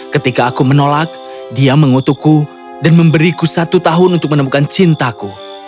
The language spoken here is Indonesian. ketika aku menolak dia mengutukku dan memberiku satu tahun untuk menemukan cintaku